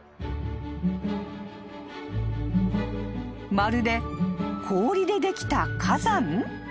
［まるで氷でできた火山？］